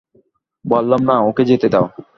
বললাম না, ওকে যেতে দাও!